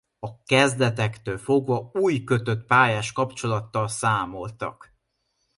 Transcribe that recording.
A kezdetektől fogva új kötött pályás kapcsolattal számoltak.